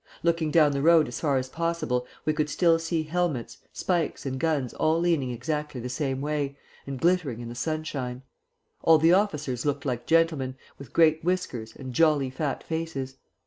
Looking down the road as far as possible, we could still see helmets, spikes, and guns all leaning exactly the same way, and glittering in the sunshine. All the officers looked like gentlemen, with great whiskers, and jolly, fat faces.